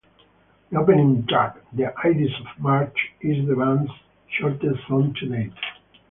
The opening track, "The Ides of March" is the band's shortest song to date.